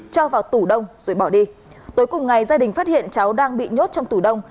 cho vào tủ đông rồi bỏ đi tối cùng ngày gia đình phát hiện cháu đang bị nhốt trong tủ đông